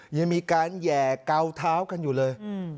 ยังมีการแห่เกาเท้ากันอยู่เลย